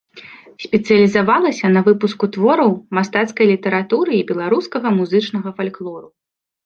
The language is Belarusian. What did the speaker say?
Спецыялізавалася на выпуску твораў мастацкай літаратуры і беларускага музычнага фальклору.